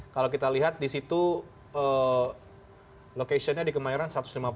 kalau kita lihat di situ location nya di kemayoran satu ratus lima puluh